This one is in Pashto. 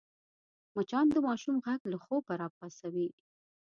مچان د ماشوم غږ له خوبه راپاڅوي